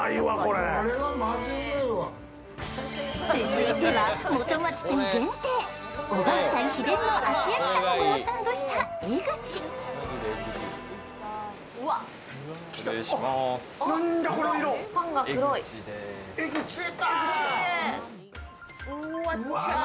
続いては元町店限定、おばあちゃん秘伝の厚焼き卵をサンドしたエグチ。